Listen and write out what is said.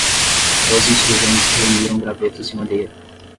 Os insurgentes reuniram gravetos e madeira.